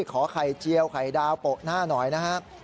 ขอไข่เจียวไข่ดาวโปะหน้าหน่อยนะครับ